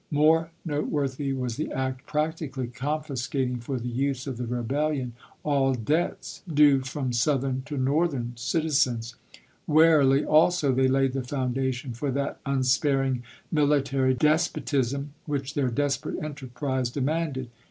More noteworthy was the act practically con ilf^^l fiscating for the use of the rebellion aU debts due ^^^irT^ from Southern to Northern citizens. Warily also T°p.^5L* they laid the foundation for that unsparing mili tary despotism which their desperate enterprise demanded.